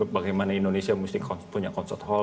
bagaimana indonesia mesti punya concert hall